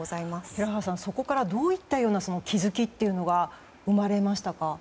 平原さん、そこからどういったような気づきが生まれましたか？